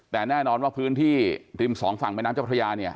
แต่แน่นอนว่าพื้นที่ริมสองฝั่งแม่น้ำเจ้าพระยาเนี่ย